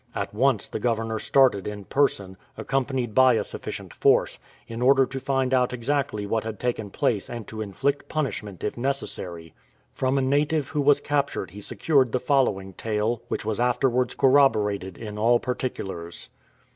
At once the Governor started in person, accompanied by a sufficient force, in order to find out exactly what had taken place and to inflict punishment if necessary. From a native who was captured he secured the following tale, which was after wards corroborated in all particulars.